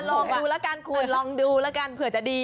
ลองดูแล้วกันคุณลองดูแล้วกันเผื่อจะดี